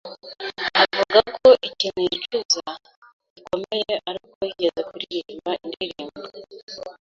avuga ko ikintu yicuza gikomeye aruko yigeze kuririmba indirimbo